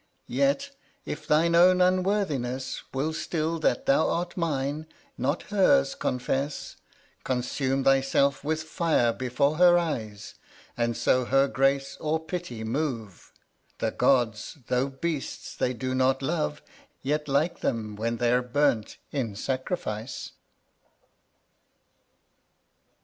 Yet if thine own unworthiness Will still that thou art mine, not hers, confess Consume thy self with Fire before her Eyes, And so her grace or pity move; The gods, though beasts they do not love, Yet like them when they're burnt in sacrifice.